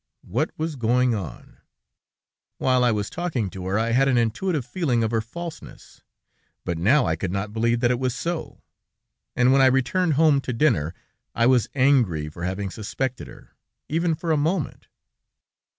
What was going on? While I was talking to her, I had an intuitive feeling of her falseness, but now I could not believe that it was so, and when I returned home to dinner, I was angry for having suspected her, even for a moment.